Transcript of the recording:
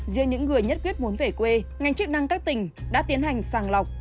riêng những người nhất quyết muốn về quê ngành chức năng các tỉnh đã tiến hành sàng lọc